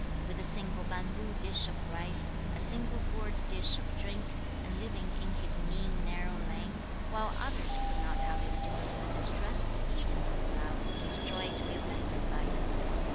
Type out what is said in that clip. With a single bamboo dish of rice, a single gourd dish of drink, and living in his mean narrow lane, while others could not have endured the distress, he did not allow his joy to be affected by it.